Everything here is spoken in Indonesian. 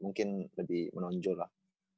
mungkin lebih menonjol lah